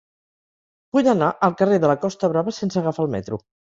Vull anar al carrer de la Costa Brava sense agafar el metro.